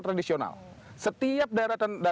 tradisional setiap daratan